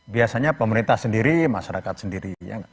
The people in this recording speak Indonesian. biasanya pemerintah sendiri masyarakat sendiri